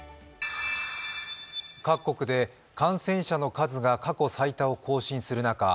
各国で感染者の数が過去最多を更新する中